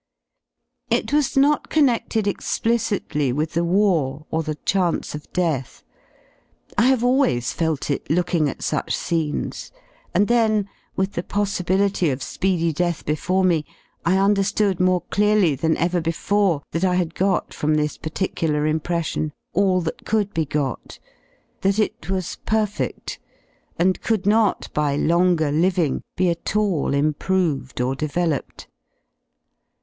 It was not connected explicitly with the war or the chance of death ; y I have always felt it looking at such scenes, and then, with the possibility of speedy death before me, I underwood more clearly than ever before that I had got from this , particular impression all that could be got, that it was / perfed, and could not by longer living be at all improved \or developed.